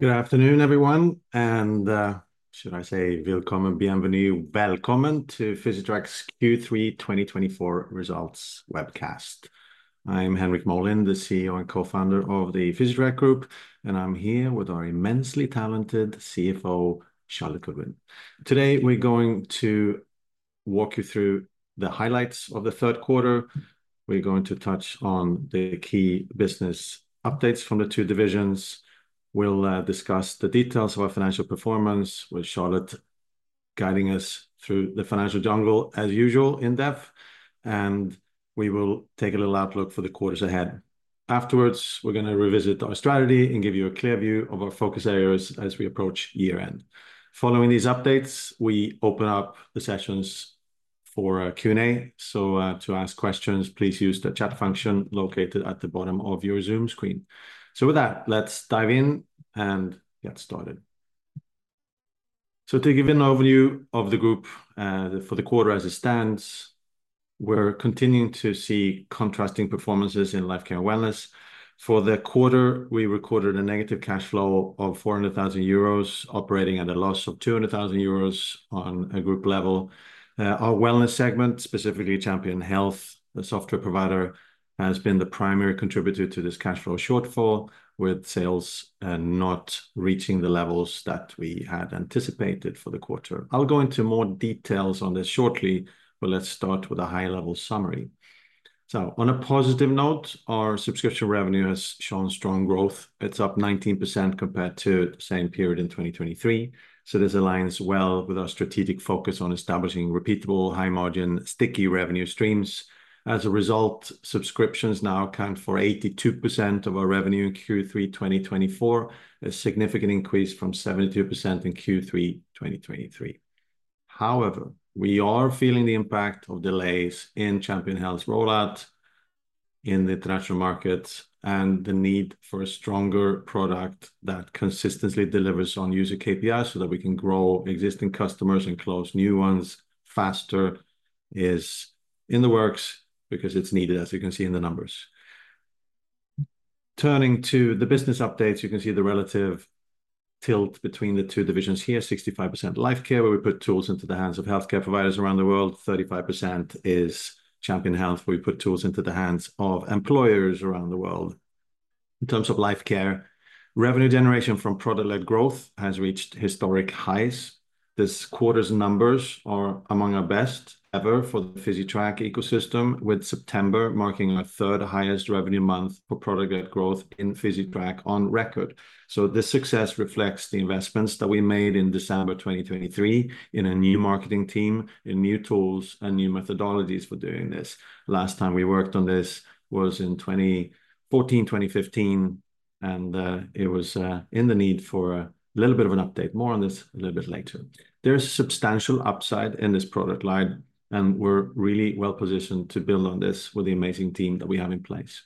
Good afternoon, everyone, and should I say, Willkommen, bienvenue, welcome to Physitrack's Q3 2024 results webcast. I'm Henrik Molin, the CEO and co-founder of the Physitrack Group, and I'm here with our immensely talented CFO, Charlotte Goodwin. Today, we're going to walk you through the highlights of the third quarter. We're going to touch on the key business updates from the two divisions. We'll discuss the details of our financial performance, with Charlotte guiding us through the financial jungle, as usual, in depth, and we will take a little outlook for the quarters ahead. Afterwards, we're going to revisit our strategy and give you a clear view of our focus areas as we approach year-end. Following these updates, we open up the sessions for a Q&A. So, to ask questions, please use the chat function located at the bottom of your Zoom screen. With that, let's dive in and get started. To give you an overview of the group, for the quarter as it stands, we're continuing to see contrasting performances in Lifecare and wellness. For the quarter, we recorded a negative cash flow of 400,000 euros, operating at a loss of 200,000 euros on a group level. Our wellness segment, specifically Champion Health, the software provider, has been the primary contributor to this cash flow shortfall, with sales not reaching the levels that we had anticipated for the quarter. I'll go into more details on this shortly, but let's start with a high-level summary. On a positive note, our subscription revenue has shown strong growth. It's up 19% compared to the same period in 2023. This aligns well with our strategic focus on establishing repeatable, high-margin, sticky revenue streams. As a result, subscriptions now account for 82% of our revenue in Q3 2024, a significant increase from 72% in Q3 2023. However, we are feeling the impact of delays in Champion Health's rollout in the international markets and the need for a stronger product that consistently delivers on user KPIs so that we can grow existing customers and close new ones faster is in the works because it's needed, as you can see in the numbers. Turning to the business updates, you can see the relative tilt between the two divisions here: 65% Lifecare, where we put tools into the hands of healthcare providers around the world. 35% is Champion Health, where we put tools into the hands of employers around the world. In terms of Lifecare, revenue generation from product-led growth has reached historic highs. This quarter's numbers are among our best ever for the Physitrack ecosystem, with September marking our third highest revenue month for product-led growth in Physitrack on record. So, this success reflects the investments that we made in December 2023 in a new marketing team, in new tools, and new methodologies for doing this. Last time we worked on this was in 2014, 2015, and it was in the need for a little bit of an update. More on this a little bit later. There's substantial upside in this product line, and we're really well positioned to build on this with the amazing team that we have in place.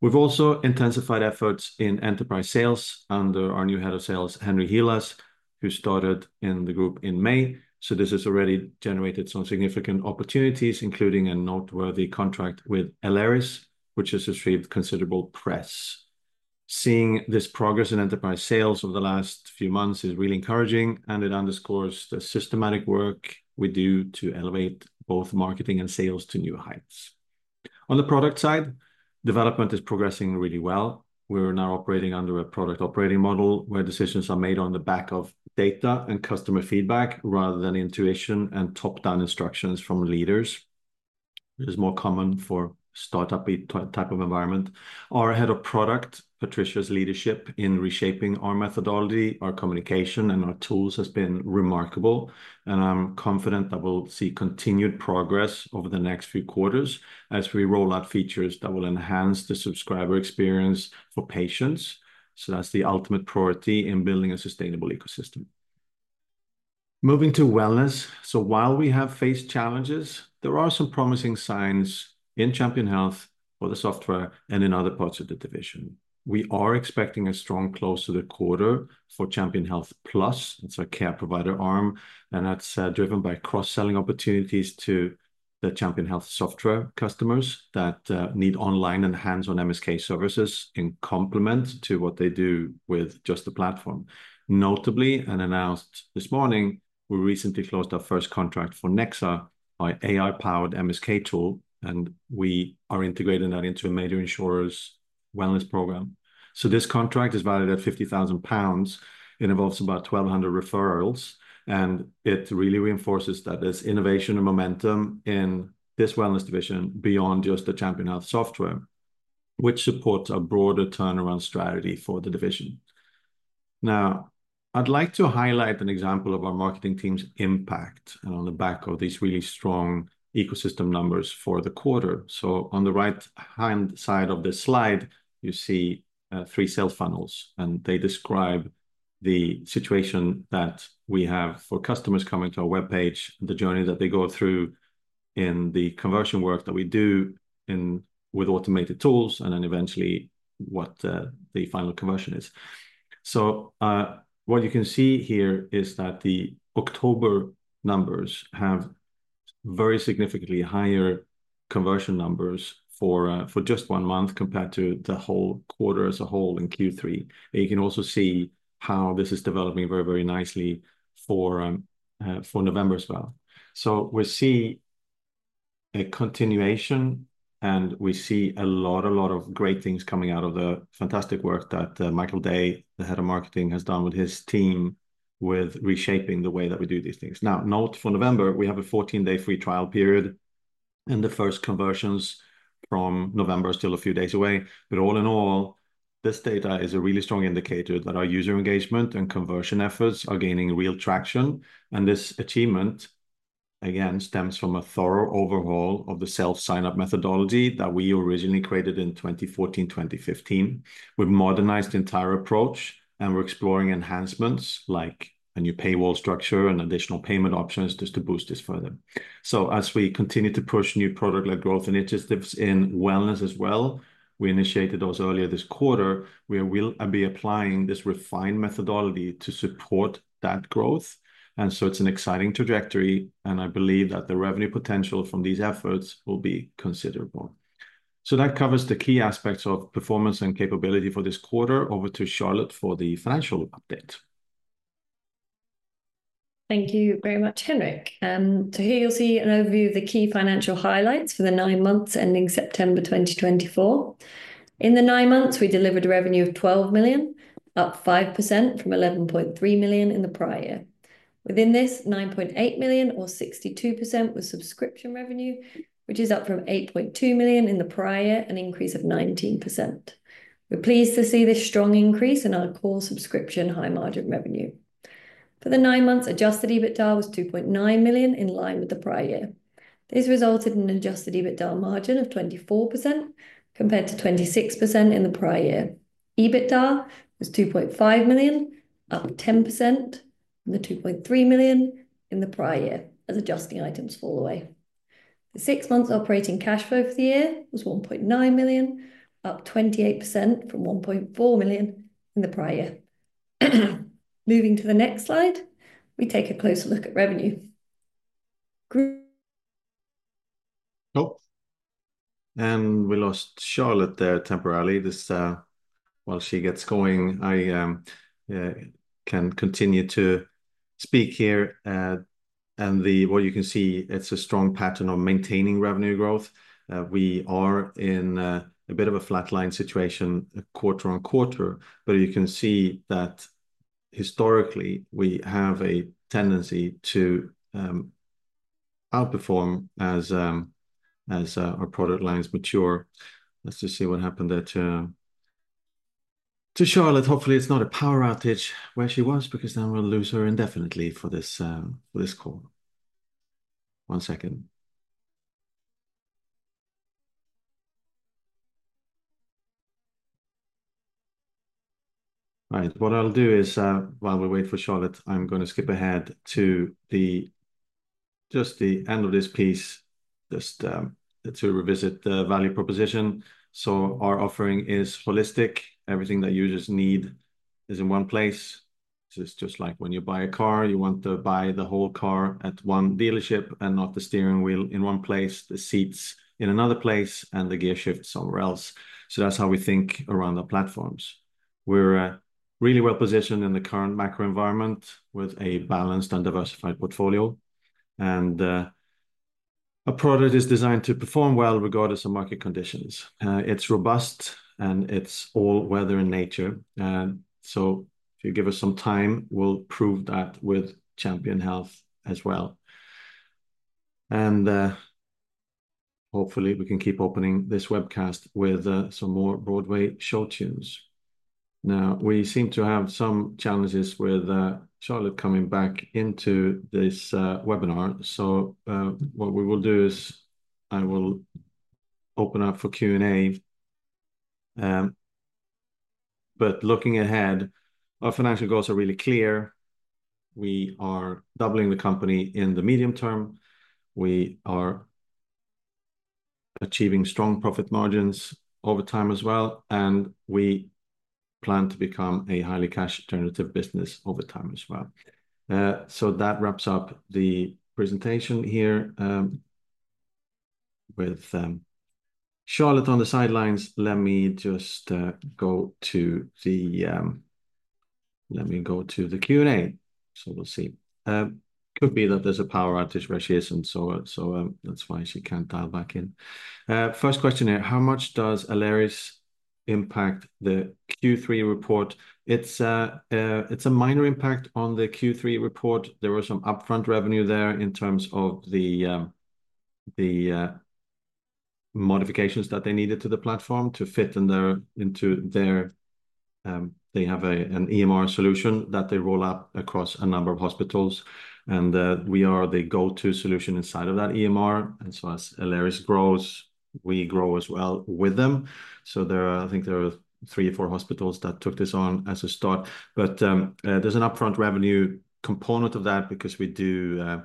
We've also intensified efforts in enterprise sales under our new head of sales, Henry Helas, who started in the group in May. So, this has already generated some significant opportunities, including a noteworthy contract with Aleris, which has received considerable press. Seeing this progress in enterprise sales over the last few months is really encouraging, and it underscores the systematic work we do to elevate both marketing and sales to new heights. On the product side, development is progressing really well. We're now operating under a product operating model where decisions are made on the back of data and customer feedback rather than intuition and top-down instructions from leaders, which is more common for a startup-type of environment. Our Head of Product, Patrycja's leadership in reshaping our methodology, our communication, and our tools has been remarkable, and I'm confident that we'll see continued progress over the next few quarters as we roll out features that will enhance the subscriber experience for patients, so that's the ultimate priority in building a sustainable ecosystem. Moving to wellness. While we have faced challenges, there are some promising signs in Champion Health for the software and in other parts of the division. We are expecting a strong close to the quarter for Champion Health Plus. It's our care provider arm, and that's driven by cross-selling opportunities to the Champion Health software customers that need online and hands-on MSK services in complement to what they do with just the platform. Notably, announced this morning, we recently closed our first contract for Nexa, AI-powered MSK tool, and we are integrating that into a major insurer's wellness program. This contract is valued at EUR 50,000. It involves about 1,200 referrals, and it really reinforces that there's innovation and momentum in this wellness division beyond just the Champion Health software, which supports a broader turnaround strategy for the division. Now, I'd like to highlight an example of our marketing team's impact and on the back of these really strong ecosystem numbers for the quarter. So, on the right-hand side of this slide, you see three sales funnels, and they describe the situation that we have for customers coming to our webpage, the journey that they go through in the conversion work that we do with automated tools, and then eventually what the final conversion is. So, what you can see here is that the October numbers have very significantly higher conversion numbers for just one month compared to the whole quarter as a whole in Q3. And you can also see how this is developing very, very nicely for November as well. We see a continuation, and we see a lot, a lot of great things coming out of the fantastic work that Michael Day, Head of Marketing, has done with his team with reshaping the way that we do these things. Now, note for November, we have a 14-day free trial period, and the first conversions from November are still a few days away. All in all, this data is a really strong indicator that our user engagement and conversion efforts are gaining real traction. This achievement, again, stems from a thorough overhaul of the self-sign-up methodology that we originally created in 2014, 2015. We've modernized the entire approach, and we're exploring enhancements like a new paywall structure and additional payment options just to boost this further. So, as we continue to push new product-led growth initiatives in wellness as well, we initiated those earlier this quarter, where we'll be applying this refined methodology to support that growth. And so, it's an exciting trajectory, and I believe that the revenue potential from these efforts will be considerable. So, that covers the key aspects of performance and capability for this quarter. Over to Charlotte for the financial update. Thank you very much, Henrik. So here you'll see an overview of the key financial highlights for the nine months ending September 2024. In the nine months, we delivered a revenue of 12 million, up 5% from 11.3 million in the prior year. Within this, 9.8 million, or 62%, was subscription revenue, which is up from 8.2 million in the prior year, an increase of 19%. We're pleased to see this strong increase in our core subscription high-margin revenue. For the nine months, adjusted EBITDA was 2.9 million, in line with the prior year. This resulted in an adjusted EBITDA margin of 24% compared to 26% in the prior year. EBITDA was 2.5 million, up 10% from the 2.3 million in the prior year, as adjusting items fall away. The six-month operating cash flow for the year was 1.9 million, up 28% from 1.4 million in the prior year. Moving to the next slide, we take a closer look at revenue. Oh, and we lost Charlotte there temporarily. This, while she gets going, I can continue to speak here, and what you can see, it's a strong pattern of maintaining revenue growth. We are in a bit of a flatline situation quarter on quarter, but you can see that historically we have a tendency to outperform as our product lines mature. Let's just see what happened there to Charlotte. Hopefully, it's not a power outage where she was, because then we'll lose her indefinitely for this call. One second. Right, what I'll do is, while we wait for Charlotte, I'm going to skip ahead to the just the end of this piece, just to revisit the value proposition, so our offering is holistic. Everything that users need is in one place. So, it's just like when you buy a car, you want to buy the whole car at one dealership and not the steering wheel in one place, the seats in another place, and the gear shift somewhere else. So, that's how we think around our platforms. We're really well positioned in the current macro environment with a balanced and diversified portfolio, and a product is designed to perform well regardless of market conditions. It's robust, and it's all weather and nature. So if you give us some time, we'll prove that with Champion Health as well. And, hopefully, we can keep opening this webcast with some more Broadway show tunes. Now, we seem to have some challenges with Charlotte coming back into this webinar. So, what we will do is I will open up for Q&A. But looking ahead, our financial goals are really clear. We are doubling the company in the medium term. We are achieving strong profit margins over time as well, and we plan to become a highly cash-generative business over time as well. That wraps up the presentation here. With Charlotte on the sidelines, let me just go to the Q&A. We'll see. Could be that there's a power outage where she isn't, so that's why she can't dial back in. First question here, how much does Aleris impact the Q3 report? It's a minor impact on the Q3 report. There was some upfront revenue there in terms of the modifications that they needed to the platform to fit into their, they have an EMR solution that they roll out across a number of hospitals, and we are the go-to solution inside of that EMR. And so, as Aleris grows, we grow as well with them. So, there are, I think, three or four hospitals that took this on as a start, but there's an upfront revenue component of that because we do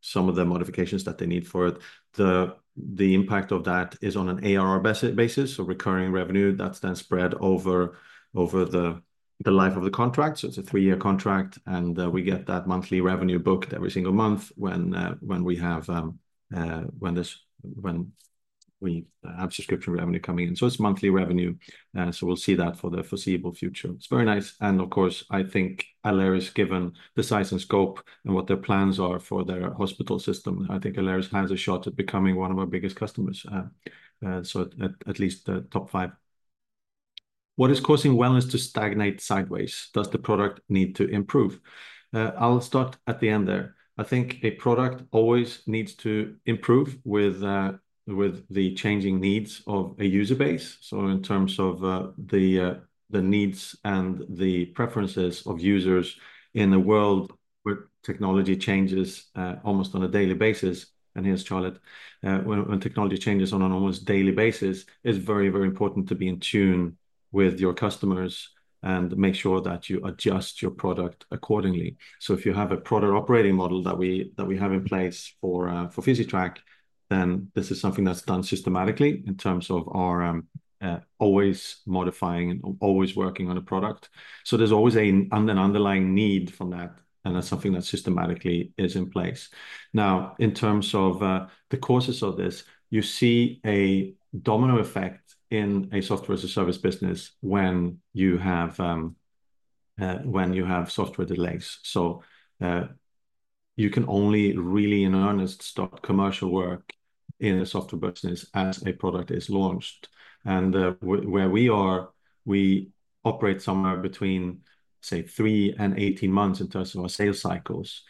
some of the modifications that they need for it. The impact of that is on an ARR basis, so recurring revenue that's then spread over the life of the contract. So, it's a three-year contract, and we get that monthly revenue booked every single month when we have subscription revenue coming in. So, it's monthly revenue, so we'll see that for the foreseeable future. It's very nice. Of course, I think Aleris, given the size and scope and what their plans are for their hospital system, I think Aleris has a shot at becoming one of our biggest customers, so at least the top five. What is causing wellness to stagnate sideways? Does the product need to improve? I'll start at the end there. I think a product always needs to improve with the changing needs of a user base. So, in terms of the needs and the preferences of users in a world where technology changes almost on a daily basis. And here's Charlotte. When technology changes on an almost daily basis, it's very, very important to be in tune with your customers and make sure that you adjust your product accordingly. If you have a product operating model that we have in place for Physitrack, then this is something that's done systematically in terms of our always modifying and always working on a product. There's always an underlying need from that, and that's something that systematically is in place. Now, in terms of the causes of this, you see a domino effect in a software as a service business when you have software delays. You can only really in earnest start commercial work in a software business as a product is launched. Where we are, we operate somewhere between, say, three and 18 months in terms of our sales cycles.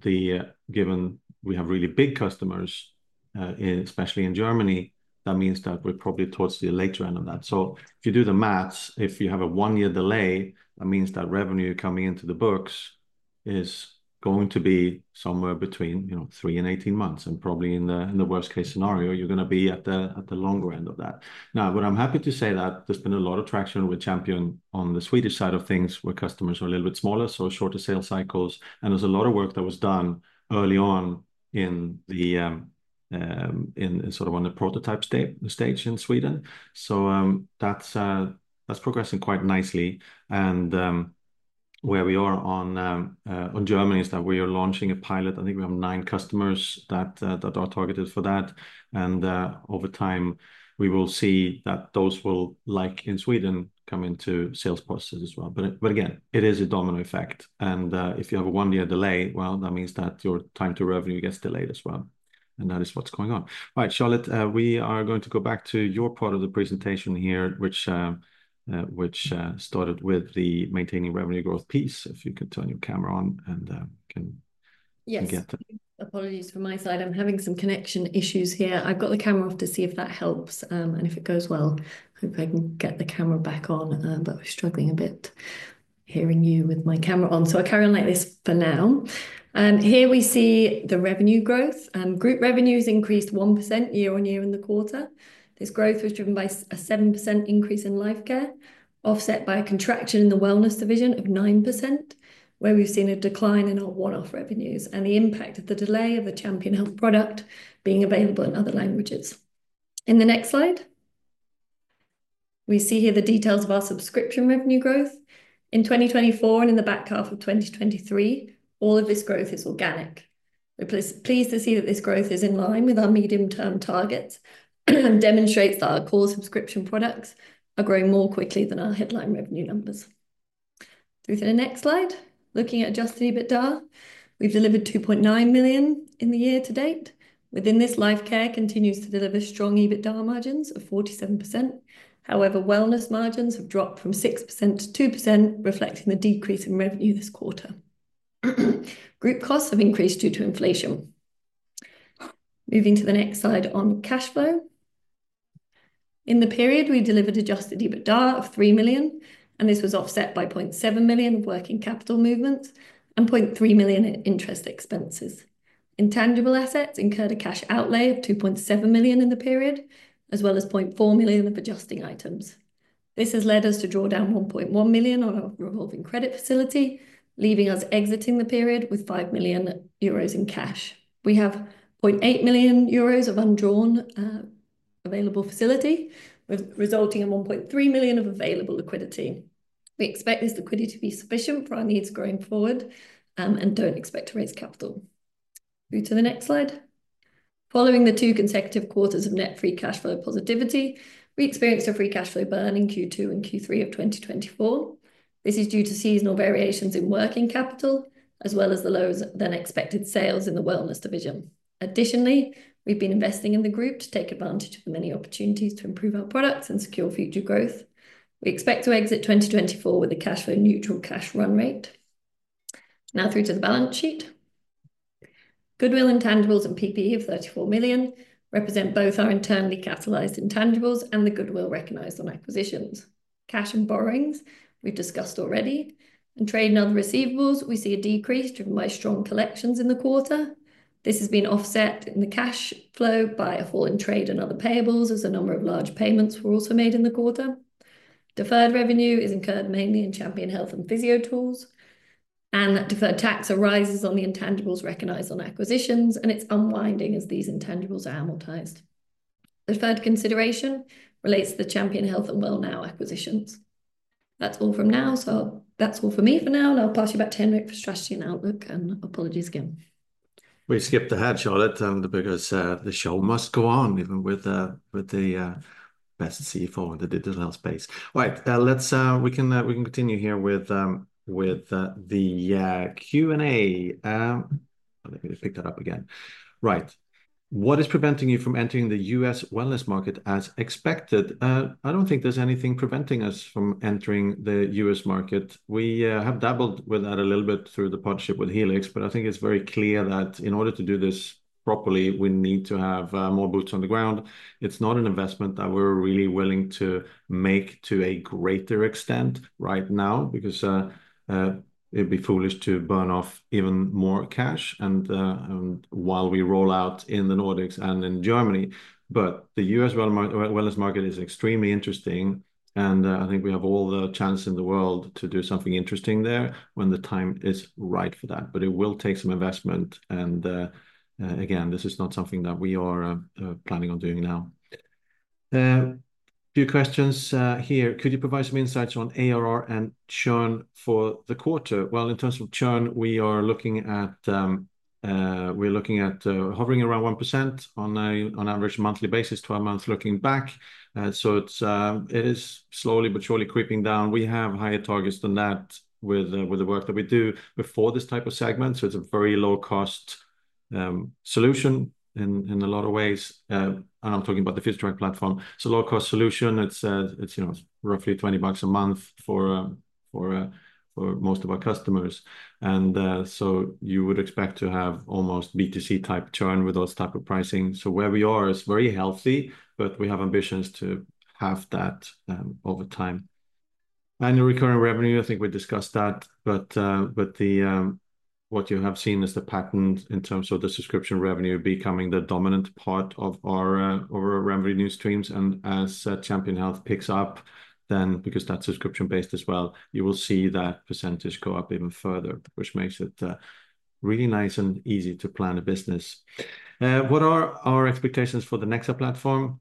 Given we have really big customers, especially in Germany, that means that we're probably towards the later end of that. If you do the math, if you have a one-year delay, that means that revenue coming into the books is going to be somewhere between, you know, three and 18 months. And probably in the worst-case scenario, you're going to be at the longer end of that. Now, what I'm happy to say is that there's been a lot of traction with Champion on the Swedish side of things, where customers are a little bit smaller, so shorter sales cycles. And where we are on Germany is that we are launching a pilot. I think we have nine customers that are targeted for that. Over time, we will see that those will, like in Sweden, come into sales processes as well. Again, it is a domino effect. If you have a one-year delay, well, that means that your time to revenue gets delayed as well. That is what's going on. All right, Charlotte, we are going to go back to your part of the presentation here, which started with the maintaining revenue growth piece. If you could turn your camera on and can you get to. Yes, apologies for my side. I'm having some connection issues here. I've got the camera off to see if that helps, and if it goes well. Hope I can get the camera back on, but I'm struggling a bit hearing you with my camera on. So, I'll carry on like this for now. Here we see the revenue growth. Group revenues increased 1% year on year in the quarter. This growth was driven by a 7% increase in Lifecare, offset by a contraction in the wellness division of 9%, where we've seen a decline in our one-off revenues and the impact of the delay of the Champion Health product being available in other languages. In the next slide, we see here the details of our subscription revenue growth. In 2024 and in the back half of 2023, all of this growth is organic. We're pleased to see that this growth is in line with our medium-term targets and demonstrates that our core subscription products are growing more quickly than our headline revenue numbers. Through to the next slide, looking at adjusted EBITDA, we've delivered 2.9 million in the year to date. Within this, Lifecare continues to deliver strong EBITDA margins of 47%. However, Wellness margins have dropped from 6% to 2%, reflecting the decrease in revenue this quarter. Group costs have increased due to inflation. Moving to the next slide on cash flow. In the period, we delivered adjusted EBITDA of 3 million, and this was offset by 0.7 million of working capital movements and 0.3 million in interest expenses. Intangible assets incurred a cash outlay of 2.7 million in the period, as well as 0.4 million of adjusting items. This has led us to draw down 1.1 million on our revolving credit facility, leaving us exiting the period with 5 million euros in cash. We have 0.8 million euros of undrawn, available facility, resulting in 1.3 million of available liquidity. We expect this liquidity to be sufficient for our needs going forward, and don't expect to raise capital. Move to the next slide. Following the two consecutive quarters of net free cash flow positivity, we experienced a free cash flow burn in Q2 and Q3 of 2024. This is due to seasonal variations in working capital, as well as the lower-than-expected sales in the wellness division. Additionally, we've been investing in the group to take advantage of the many opportunities to improve our products and secure future growth. We expect to exit 2024 with a cash flow neutral cash run rate. Now, through to the balance sheet. Goodwill, intangibles, and PPE of 34 million represent both our internally capitalized intangibles and the goodwill recognized on acquisitions. Cash and borrowings we've discussed already. In trade and other receivables, we see a decrease driven by strong collections in the quarter. This has been offset in the cash flow by a fall in trade and other payables as a number of large payments were also made in the quarter. Deferred revenue is incurred mainly in Champion Health and PhysioTools, and that deferred tax arises on the intangibles recognized on acquisitions and its unwinding as these intangibles are amortized. The third consideration relates to the Champion Health and WellNow acquisitions. That's all for now. So, that's all for me for now, and I'll pass you back to Henrik for strategy and outlook, and apologies again. We skipped ahead, Charlotte, because the show must go on even with the best CFO in the digital health space. Right, let's continue here with the Q&A. Let me pick that up again. Right, what is preventing you from entering the U.S. wellness market as expected? I don't think there's anything preventing us from entering the U.S. market. We have dabbled with that a little bit through the partnership with Halaxy, but I think it's very clear that in order to do this properly, we need to have more boots on the ground. It's not an investment that we're really willing to make to a greater extent right now because it'd be foolish to burn off even more cash and while we roll out in the Nordics and in Germany. But the U.S. wellness market is extremely interesting, and I think we have all the chance in the world to do something interesting there when the time is right for that. But it will take some investment, and again, this is not something that we are planning on doing now. A few questions here. Could you provide some insights on ARR and churn for the quarter? Well, in terms of churn, we're looking at hovering around 1% on average monthly basis, 12 months looking back. So it is slowly but surely creeping down. We have higher targets than that with the work that we do before this type of segment. So it's a very low-cost solution in a lot of ways, and I'm talking about the Physitrack platform. It's a low-cost solution. It's you know, it's roughly $20 a month for most of our customers. And so you would expect to have almost B2C type churn with those types of pricing. So where we are, it's very healthy, but we have ambitions to have that over time. Annual recurring revenue, I think we discussed that, but the what you have seen is the pattern in terms of the subscription revenue becoming the dominant part of our revenue streams. And as Champion Health picks up, then because that's subscription-based as well, you will see that percentage go up even further, which makes it really nice and easy to plan a business. What are our expectations for the Nexa platform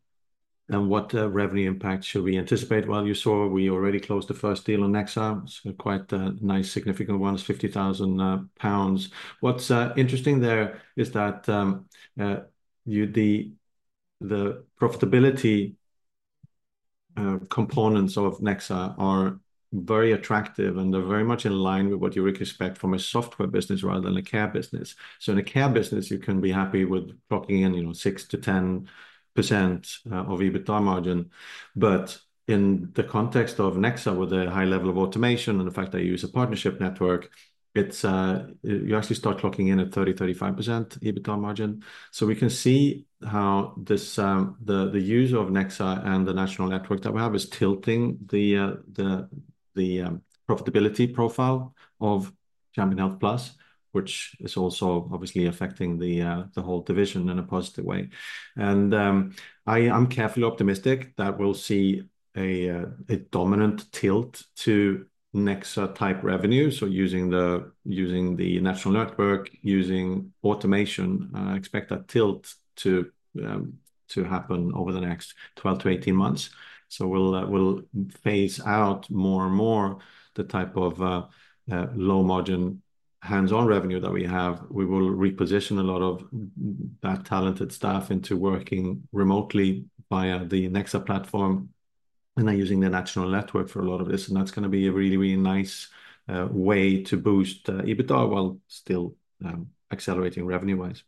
and what revenue impact should we anticipate? Well, you saw we already closed the first deal on Nexa. It's quite a nice significant one, EUR 50,000. What's interesting there is that the profitability components of Nexa are very attractive and they're very much in line with what you expect from a software business rather than a care business. So, in a care business, you can be happy with clocking in, you know, 6%-10% EBITDA margin. But in the context of Nexa, with a high level of automation and the fact that you use a partnership network, you actually start clocking in at 30%-35% EBITDA margin. So, we can see how the use of Nexa and the national network that we have is tilting the profitability profile of Champion Health Plus, which is also obviously affecting the whole division in a positive way. And, I am carefully optimistic that we'll see a dominant tilt to Nexa type revenue. Using the national network, using automation, I expect that tilt to happen over the next 12-18 months. We'll phase out more and more the type of low margin hands-on revenue that we have. We will reposition a lot of that talented staff into working remotely via the Nexa platform and then using the national network for a lot of this. And that's going to be a really, really nice way to boost EBITDA while still accelerating revenue-wise.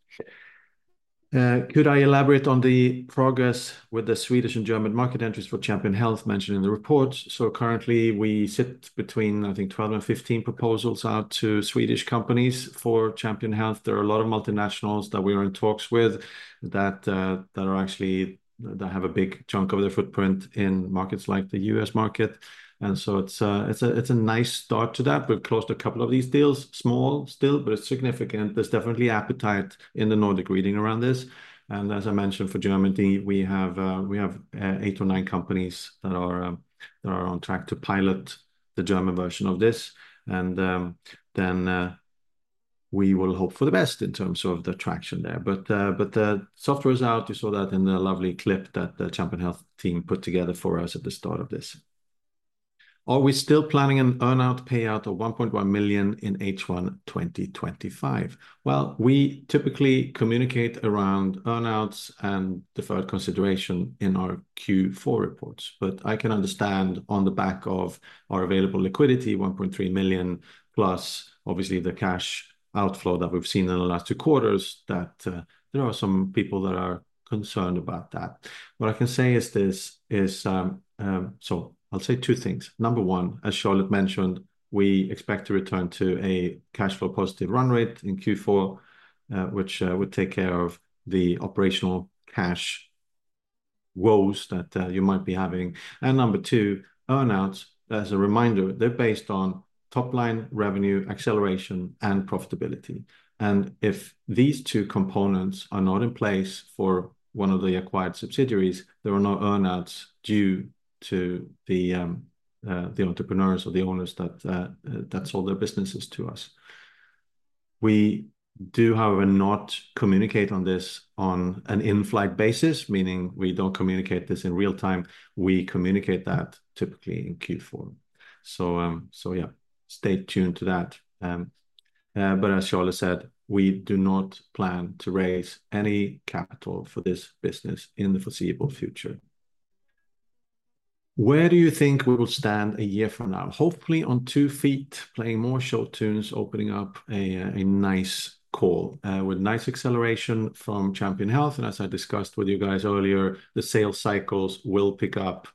Could I elaborate on the progress with the Swedish and German market entries for Champion Health mentioned in the report? Currently, we sit between, I think, 12 and 15 proposals out to Swedish companies for Champion Health. There are a lot of multinationals that we are in talks with that are actually that have a big chunk of their footprint in markets like the U.S. market. And so, it's a nice start to that. We've closed a couple of these deals, small still, but it's significant. There's definitely appetite in the Nordic region around this. And as I mentioned, for Germany, we have eight or nine companies that are on track to pilot the German version of this. Then, we will hope for the best in terms of the traction there. But the software is out. You saw that in the lovely clip that the Champion Health team put together for us at the start of this. Are we still planning an earn-out payout of 1.1 million in H1 2025? We typically communicate around earn-outs and deferred consideration in our Q4 reports. I can understand on the back of our available liquidity, 1.3 million, plus obviously the cash outflow that we've seen in the last two quarters, that there are some people that are concerned about that. What I can say is this is, so I'll say two things. Number one, as Charlotte mentioned, we expect to return to a cash flow positive run rate in Q4, which would take care of the operational cash woes that you might be having. Number two, earn-outs, as a reminder, they're based on top-line revenue acceleration and profitability. And if these two components are not in place for one of the acquired subsidiaries, there are no earn-outs due to the entrepreneurs or the owners that sold their businesses to us. We do, however, not communicate on this on an in-flight basis, meaning we don't communicate this in real time. We communicate that typically in Q4, so yeah, stay tuned to that, but as Charlotte said, we do not plan to raise any capital for this business in the foreseeable future. Where do you think we will stand a year from now? Hopefully on two feet, playing more show tunes, opening up a nice call with nice acceleration from Champion Health, and as I discussed with you guys earlier, the sales cycles will pick up.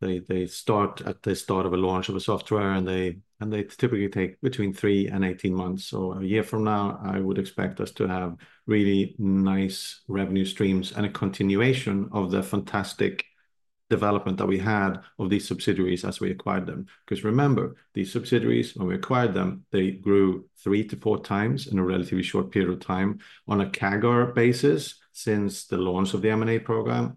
They start at the start of a launch of a software, and they typically take between three and 18 months. A year from now, I would expect us to have really nice revenue streams and a continuation of the fantastic development that we had of these subsidiaries as we acquired them. Because remember, these subsidiaries, when we acquired them, they grew three to four times in a relatively short period of time on a CAGR basis since the launch of the M&A program.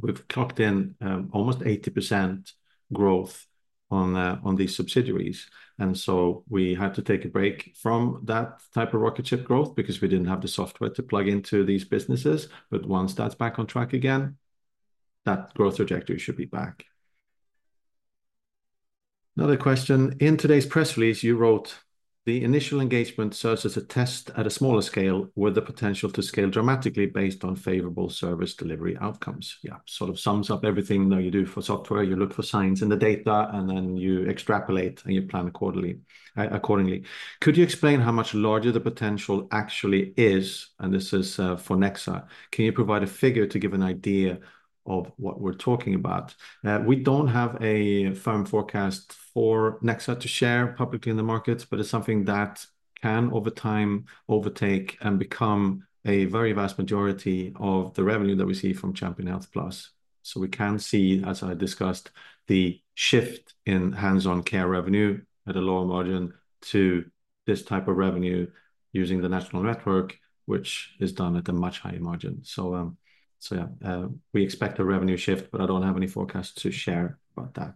We've clocked in almost 80% growth on these subsidiaries. And so, we had to take a break from that type of rocket ship growth because we didn't have the software to plug into these businesses. But once that's back on track again, that growth trajectory should be back. Another question. In today's press release, you wrote, "The initial engagement serves as a test at a smaller scale with the potential to scale dramatically based on favorable service delivery outcomes." Yeah, sort of sums up everything that you do for software. You look for signs in the data, and then you extrapolate and you plan accordingly. Could you explain how much larger the potential actually is? And this is, for Nexa. Can you provide a figure to give an idea of what we're talking about? We don't have a firm forecast for Nexa to share publicly in the markets, but it's something that can over time overtake and become a very vast majority of the revenue that we see from Champion Health Plus. So, we can see, as I discussed, the shift in hands-on care revenue at a lower margin to this type of revenue using the national network, which is done at a much higher margin. So, so yeah, we expect a revenue shift, but I don't have any forecast to share about that.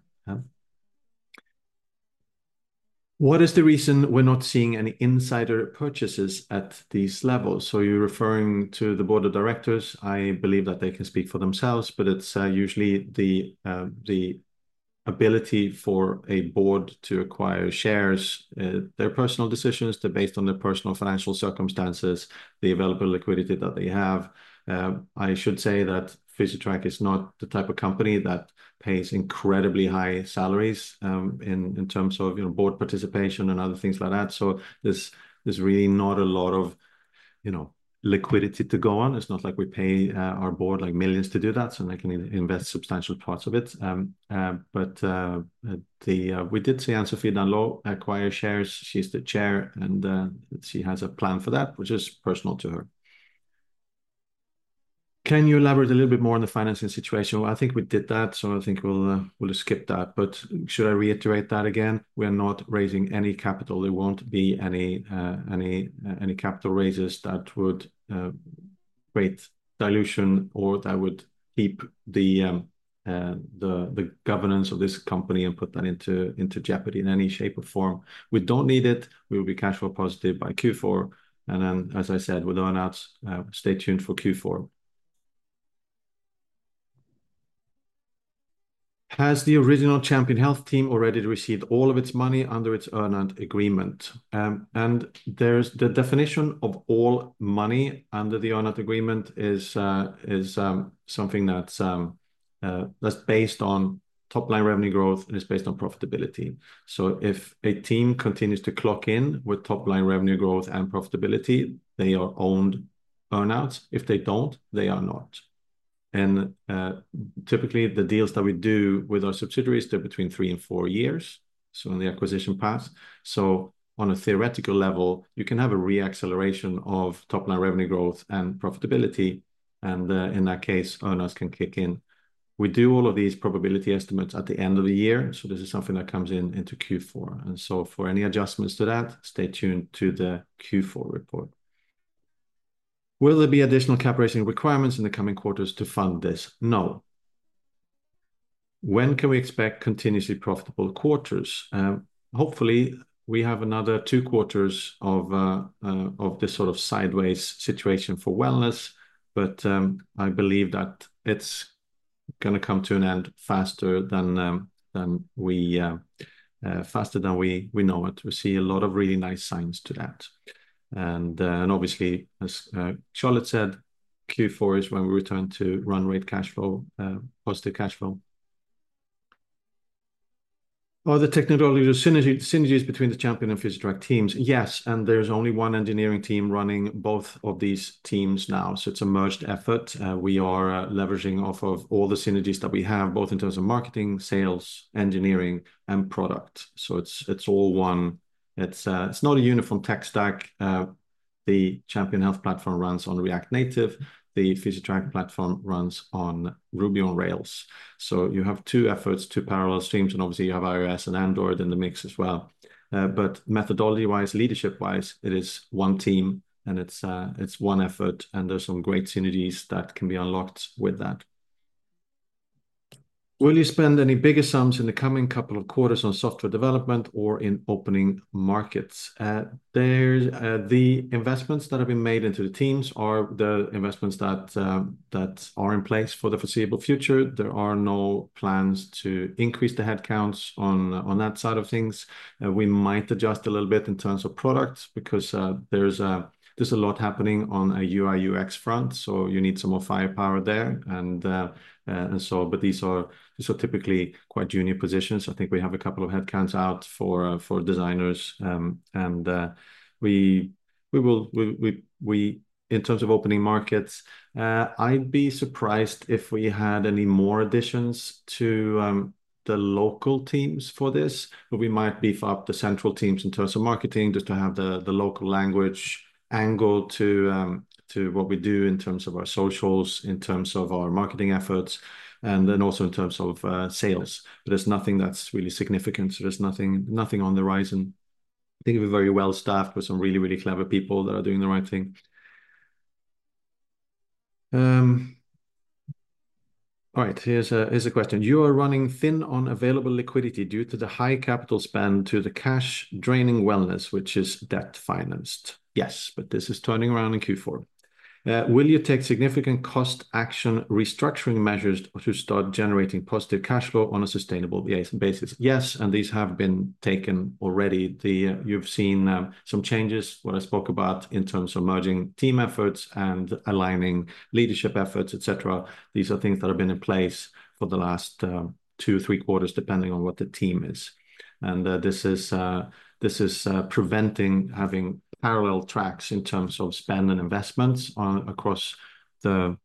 What is the reason we're not seeing any insider purchases at these levels? So, you're referring to the board of directors. I believe that they can speak for themselves, but it's usually the ability for a board to acquire shares, their personal decisions. They're based on their personal financial circumstances, the available liquidity that they have. I should say that Physitrack is not the type of company that pays incredibly high salaries, in terms of, you know, board participation and other things like that. There's really not a lot of, you know, liquidity to go on. It's not like we pay our board like millions to do that, so they can invest substantial parts of it. But we did see Anne-Sophie d'Andlau acquire shares. She's the Chair, and she has a plan for that, which is personal to her. Can you elaborate a little bit more on the financing situation? Well, I think we did that, so I think we'll skip that. But should I reiterate that again? We are not raising any capital. There won't be any capital raises that would create dilution or that would keep the governance of this company and put that into jeopardy in any shape or form. We don't need it. We will be cash flow positive by Q4. And then, as I said, with earn-outs, stay tuned for Q4. Has the original Champion Health team already received all of its money under its earn-out agreement? And there's the definition of all money under the earn-out agreement is something that's based on top-line revenue growth, and it's based on profitability. So, if a team continues to clock in with top-line revenue growth and profitability, they are owed earn-outs. If they don't, they are not. And, typically, the deals that we do with our subsidiaries, they're between three and four years. So, when the acquisition passed, so on a theoretical level, you can have a re-acceleration of top-line revenue growth and profitability. And, in that case, earn-outs can kick in. We do all of these probability estimates at the end of the year. So, this is something that comes into Q4. And so, for any adjustments to that, stay tuned to the Q4 report. Will there be additional cap raising requirements in the coming quarters to fund this? No. When can we expect continuously profitable quarters? Hopefully, we have another two quarters of this sort of sideways situation for wellness. But I believe that it's going to come to an end faster than we know it. We see a lot of really nice signs to that. And obviously, as Charlotte said, Q4 is when we return to run rate cash flow positive cash flow. Are the technical synergies between the Champion and Physitrack teams? Yes. And there's only one engineering team running both of these teams now. So, it's a merged effort. We are leveraging off of all the synergies that we have, both in terms of marketing, sales, engineering, and product. It's all one. It's not a uniform tech stack. The Champion Health platform runs on React Native. The Physitrack platform runs on Ruby on Rails. You have two efforts, two parallel streams. And obviously, you have iOS and Android in the mix as well. But methodology-wise, leadership-wise, it is one team, and it's one effort. And there's some great synergies that can be unlocked with that. Will you spend any bigger sums in the coming couple of quarters on software development or in opening markets? The investments that have been made into the teams are the investments that are in place for the foreseeable future. There are no plans to increase the headcounts on that side of things. We might adjust a little bit in terms of product because there's a lot happening on a UI/UX front. So, you need some more firepower there. And so, but these are typically quite junior positions. I think we have a couple of headcounts out for designers, and we will in terms of opening markets. I'd be surprised if we had any more additions to the local teams for this. But we might beef up the central teams in terms of marketing just to have the local language angle to what we do in terms of our socials, in terms of our marketing efforts, and then also in terms of sales. But there's nothing that's really significant. So, there's nothing on the horizon. I think we're very well staffed with some really clever people that are doing the right thing. All right, here's a question. You are running thin on available liquidity due to the high capital spend to the cash draining wellness, which is debt financed. Yes, but this is turning around in Q4. Will you take significant cost action restructuring measures to start generating positive cash flow on a sustainable basis? Yes, and these have been taken already. The, you've seen some changes what I spoke about in terms of merging team efforts and aligning leadership efforts, et cetera. These are things that have been in place for the last two, three quarters, depending on what the team is. And this is preventing having parallel tracks in terms of spend and investments across the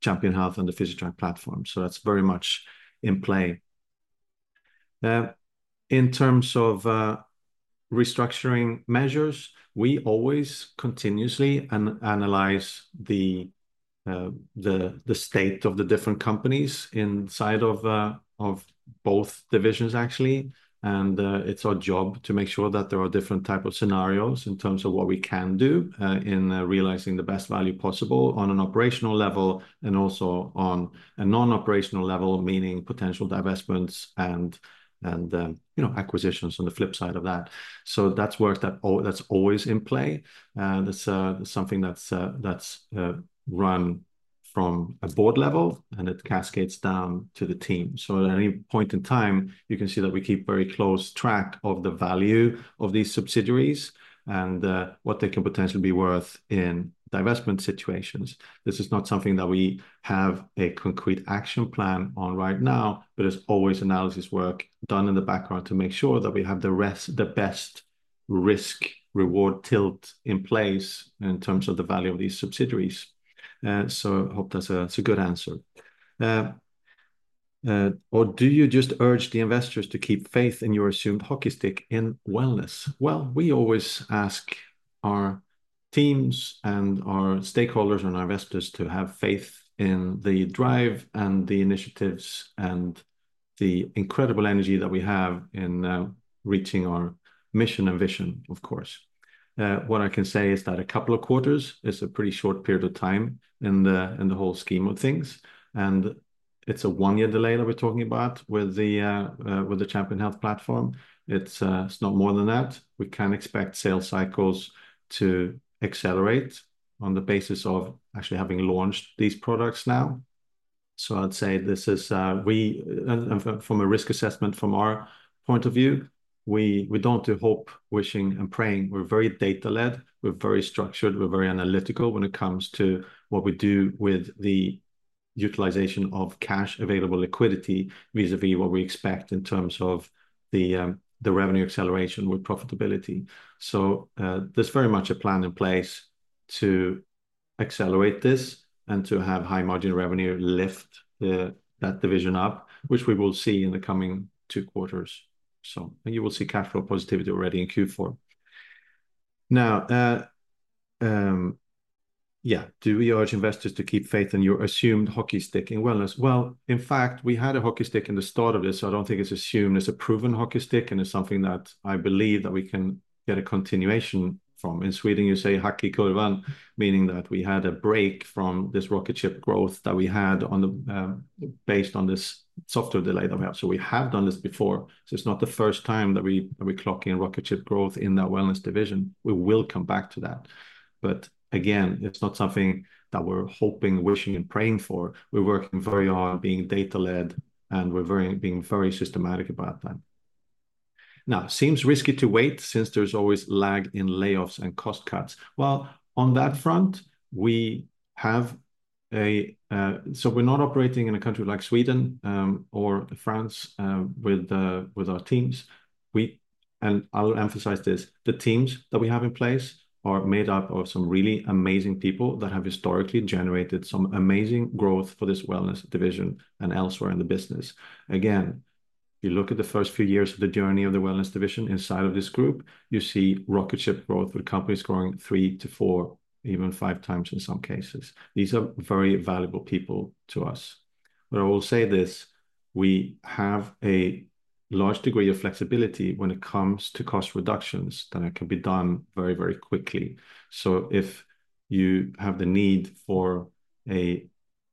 Champion Health and the Physitrack platform. So, that's very much in play. In terms of restructuring measures, we always continuously analyze the state of the different companies inside of both divisions, actually. It's our job to make sure that there are different types of scenarios in terms of what we can do in realizing the best value possible on an operational level and also on a non-operational level, meaning potential divestments and you know acquisitions on the flip side of that. That's work that's always in play, something that's run from a board level, and it cascades down to the team. At any point in time, you can see that we keep very close track of the value of these subsidiaries and what they can potentially be worth in divestment situations. This is not something that we have a concrete action plan on right now, but there's always analysis work done in the background to make sure that we have the best risk-reward tilt in place in terms of the value of these subsidiaries. I hope that's a good answer. Or do you just urge the investors to keep faith in your assumed hockey stick in wellness? We always ask our teams and our stakeholders and our investors to have faith in the drive and the initiatives and the incredible energy that we have in reaching our mission and vision, of course. What I can say is that a couple of quarters is a pretty short period of time in the whole scheme of things. It's a one-year delay that we're talking about with the Champion Health platform. It's not more than that. We can expect sales cycles to accelerate on the basis of actually having launched these products now. So, I'd say this is and from a risk assessment from our point of view, we don't do hope, wishing, and praying. We're very data-led. We're very structured. We're very analytical when it comes to what we do with the utilization of cash available liquidity vis-à-vis what we expect in terms of the revenue acceleration with profitability. So, there's very much a plan in place to accelerate this and to have high margin revenue lift that division up, which we will see in the coming two quarters. So, and you will see cash flow positivity already in Q4. Now, yeah, do we urge investors to keep faith in your assumed hockey stick in wellness? In fact, we had a hockey stick in the start of this. So, I don't think it's assumed as a proven hockey stick, and it's something that I believe that we can get a continuation from. In Sweden, you say hack i kurvan, meaning that we had a break from this rocket ship growth that we had based on this software delay that we have. So, we have done this before. So, it's not the first time that we clock in rocket ship growth in that wellness division. We will come back to that. But again, it's not something that we're hoping, wishing, and praying for. We're working very hard being data-led, and we're being very systematic about that. Now, seems risky to wait since there's always lag in layoffs and cost cuts. On that front, we have a, so we're not operating in a country like Sweden, or France, with our teams. And I'll emphasize this, the teams that we have in place are made up of some really amazing people that have historically generated some amazing growth for this wellness division and elsewhere in the business. Again, if you look at the first few years of the journey of the wellness division inside of this group, you see rocket ship growth with companies growing three-to-four, even five times in some cases. These are very valuable people to us. I will say this, we have a large degree of flexibility when it comes to cost reductions that can be done very, very quickly. If you have the need for a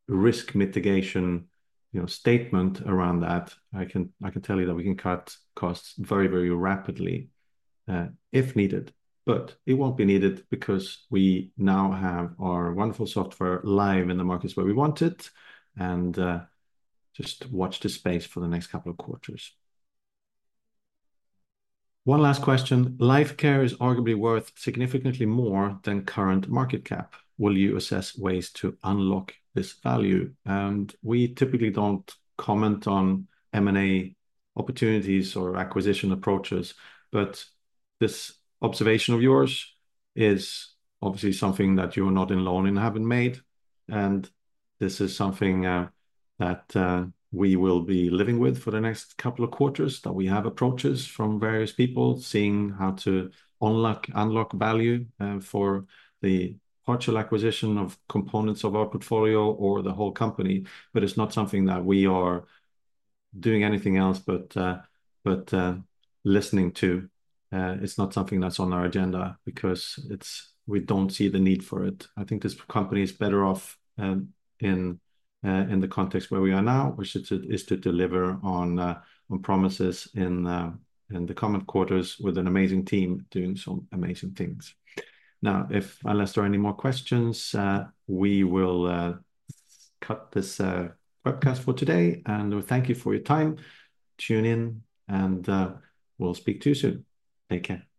risk mitigation, you know, statement around that, I can, I can tell you that we can cut costs very, very rapidly, if needed. But it won't be needed because we now have our wonderful software live in the markets where we want it. And just watch this space for the next couple of quarters. One last question. Lifecare is arguably worth significantly more than current market cap. Will you assess ways to unlock this value? And we typically don't comment on M&A opportunities or acquisition approaches, but this observation of yours is obviously something that you are not alone in having made. This is something that we will be living with for the next couple of quarters. We have approaches from various people seeing how to unlock value for the partial acquisition of components of our portfolio or the whole company. But it's not something that we are doing anything else but listening to. It's not something that's on our agenda because we don't see the need for it. I think this company is better off in the context where we are now, which is to deliver on promises in the coming quarters with an amazing team doing some amazing things. Now, unless there are any more questions, we will cut this webcast for today. Thank you for your time. Tune in, and we'll speak to you soon. Take care.